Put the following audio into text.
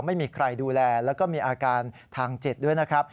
ไม่มีใครดูแลแล้วก็มีอาการทางจิตด้วยนะครับ